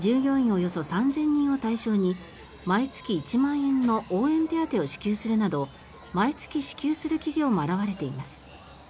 およそ３０００人を対象に毎月１万円の応援手当を支給するなど毎月支給する企業も現れています。